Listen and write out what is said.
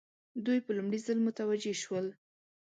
دوی په لومړي ځل متوجه شول.